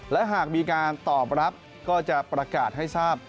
และหากมีการตอบรับก็จะประกาศให้ทราบ